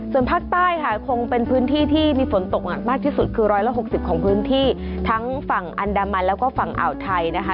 ส่วนภาคใต้ค่ะคงเป็นพื้นที่ที่มีฝนตกหนักมากที่สุดคือ๑๖๐ของพื้นที่ทั้งฝั่งอันดามันแล้วก็ฝั่งอ่าวไทยนะคะ